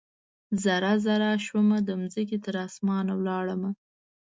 ذره ، ذره شومه د مځکې، تراسمان ولاړمه